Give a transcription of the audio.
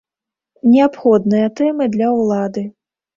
Неабходныя тэмы для ўлады.